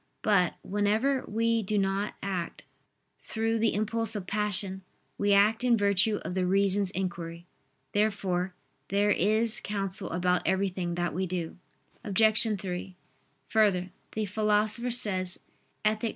But, whenever we do not act through the impulse of passion, we act in virtue of the reason's inquiry. Therefore there is counsel about everything that we do. Obj. 3: Further, the Philosopher says (Ethic.